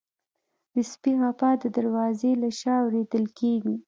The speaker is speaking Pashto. د سپي غپا د دروازې له شا اورېدل کېږي.